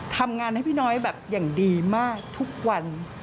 ทำงานให้พี่น้อยแบบอย่างดีมากทุกวัน